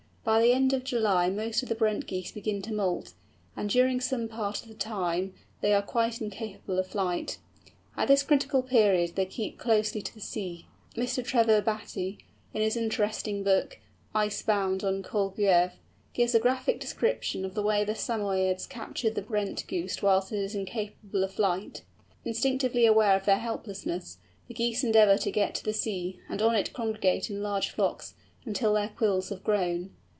By the end of July most of the Brent Geese begin to moult, and during some part of the time they are quite incapable of flight. At this critical period they keep closely to the sea. Mr. Trevor Battye, in his interesting book, Icebound on Kolguev, gives a graphic description of the way the Samoyeds capture the Brent Goose whilst it is incapable of flight. Instinctively aware of their helplessness, the Geese endeavour to get to the sea, and on it congregate in large flocks, until their quills have grown.